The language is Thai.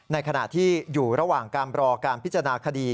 ในขณะที่อยู่ระหว่างการรอการพิจารณาคดี